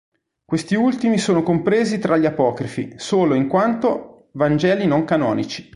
Questi ultimi sono compresi tra gli apocrifi solo in quanto vangeli non canonici.